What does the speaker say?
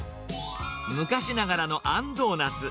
昔ながらのあんドーナツ。